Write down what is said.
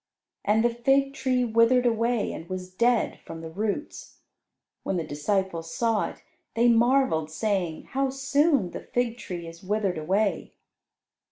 And the fig tree withered away and was dead from the roots. When the disciples saw it, they marvelled, saying, "How soon the fig tree is withered away!"